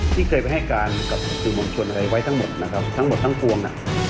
ที่เคยก่อนมาแล้วกับจึงหม่อมชวนอะไรไว้ทั้งหมดนะครับทั้งหมดทางกวงน่ะ